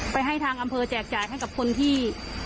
ให้ทางอำเภอแจกจ่ายให้กับคนที่